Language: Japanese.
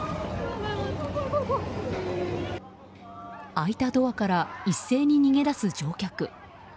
開いたドアから一斉に逃げ出す乗客。